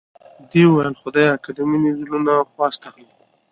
دې وویل خدایه که د مینې زړونو خواست اخلې.